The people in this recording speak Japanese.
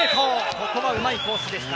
ここはうまいコースでした。